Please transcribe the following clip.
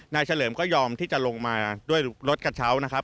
เฉลิมก็ยอมที่จะลงมาด้วยรถกระเช้านะครับ